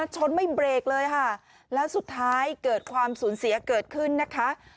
ชนไม่เบรกเลยค่ะแล้วสุดท้ายเกิดความสูญเสียเกิดขึ้นนะคะ